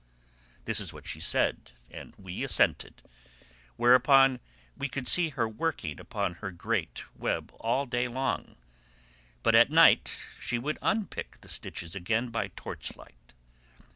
This is what she said, and we assented; whereupon we could see her working upon her great web all day long, but at night she would unpick the stitches again by torchlight.